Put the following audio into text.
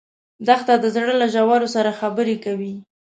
دښته د زړه له ژورو سره خبرې کوي.